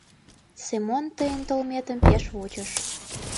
Семон тыйын толметым пеш вучыш.